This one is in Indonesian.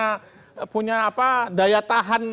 kreativitas sendiri tapi kenapa daya tahan